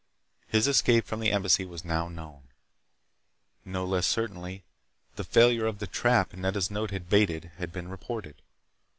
His escape from the Embassy was now known. No less certainly, the failure of the trap Nedda's note had baited had been reported.